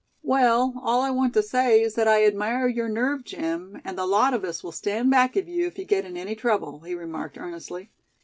"Well, all I want to say is that I admire your nerve, Jim; and the lot of us will stand back of you if you get in any trouble," he remarked, earnestly.